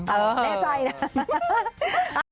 แน่ใจนะ